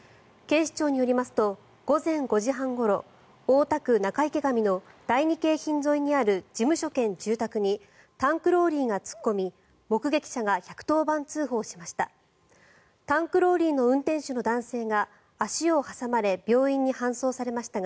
警視庁によりますと午前５時半ごろ大田区仲池上の第二京浜沿いにある事務所兼住宅にタンクローリーが突っ込み目撃者が１１０番通報しました。